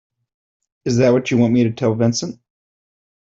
Is that what you want me to tell Vincent?